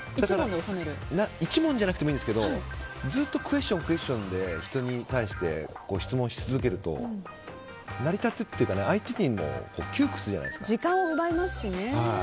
１問じゃなくてもいいんですけどずっとクエスチョンクエスチョンで人に対して質問し続けると成り立つというか、相手も時間を奪いますしね。